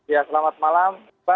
ya selamat malam